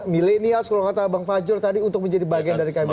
milenials kalau kata bang fajrul tadi untuk menjadi bagian dari kabinet